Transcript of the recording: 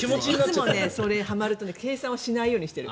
いつも、はまると計算をしないようにしてる。